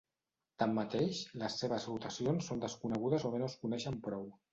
Tanmateix, les seves rotacions són desconegudes o bé no es coneixen prou.